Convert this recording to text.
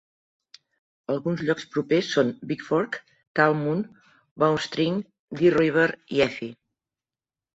Alguns llocs propers són Bigfork, Talmoon, Bowstring, Deer River i Effie.